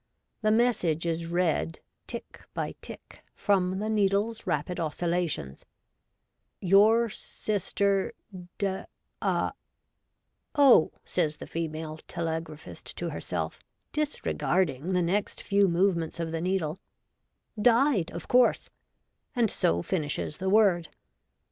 The message is read, tick by tick, from the needle's rapid oscillations :—' Your sister di '' Oh,' says the female tele graphist to herself, disregarding the next few move ments of the needle, ' died, of course,' and so finishes the word.